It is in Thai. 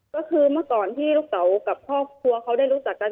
ก็คือเมื่อก่อนที่ลูกเต๋ากับครอบครัวเขาได้รู้จักกัน